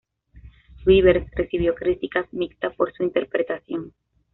Rivers recibió críticas mixtas por su interpretación.